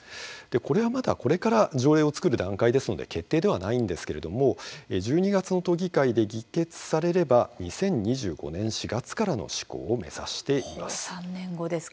これはまだ、これから条例を作る段階ですので決定ではないんですけれども１２月の都議会で議決されれば２０２５年４月からの施行を目指しています。